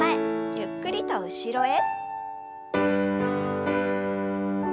ゆっくりと後ろへ。